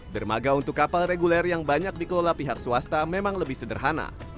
dermaga untuk kapal reguler yang banyak dikelola pihak swasta memang lebih sederhana